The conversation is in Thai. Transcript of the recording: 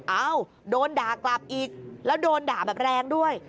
เอ้าโดนด่ากลับอีกแล้วโดนด่าแบบแรงด้วย